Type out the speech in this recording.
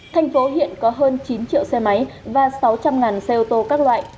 thành phố hiện có hơn chín triệu xe máy và sáu trăm linh xe ô tô các loại